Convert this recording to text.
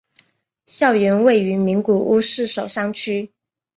校园位于名古屋市守山区。